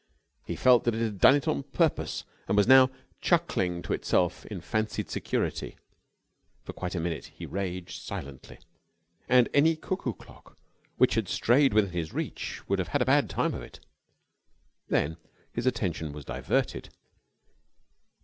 He felt that it had done it on purpose and was now chuckling to itself in fancied security. For quite a minute he raged silently, and any cuckoo clock which had strayed within his reach would have had a bad time of it. Then his attention was diverted.